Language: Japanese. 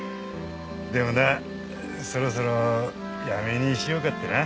でもなそろそろやめにしようかってな。